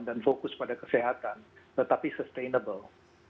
dan fokus pada kesehatan tetapi sustainable